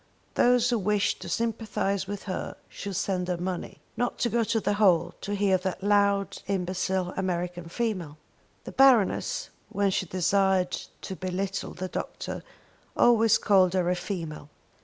Those who wished to sympathise with her should send her money, not go to the hall to hear that loud imbecile American female! The Baroness, when she desired to be little the doctor, always called her a female.